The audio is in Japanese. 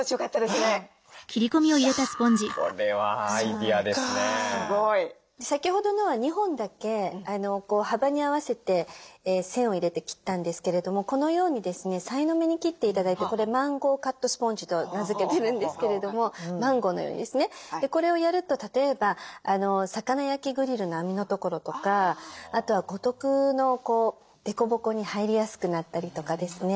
すごい。先ほどのは２本だけ幅に合わせて線を入れて切ったんですけれどもこのようにですねさいの目に切って頂いてこれマンゴーカットスポンジと名付けてるんですけれどもマンゴーのようにですねこれをやると例えば魚焼きグリルの網のところとかあとはごとくの凸凹に入りやすくなったりとかですね。